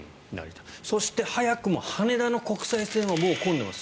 そして早くも羽田の国際線はもう混んでます。